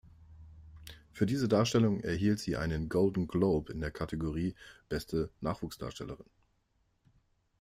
Für diese Darstellung erhielt sie einen Golden Globe in der Kategorie "Beste Nachwuchsdarstellerin".